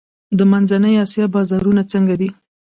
د منځنۍ اسیا بازارونه څنګه دي؟